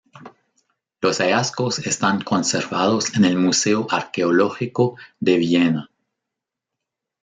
Los hallazgos están conservados en el Museo Arqueológico de Villena.